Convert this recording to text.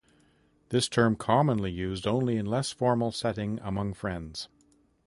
This term commonly used only in less formal setting among friends.